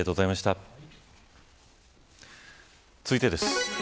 続いてです。